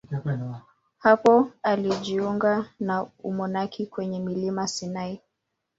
Hapo alijiunga na umonaki kwenye mlima Sinai.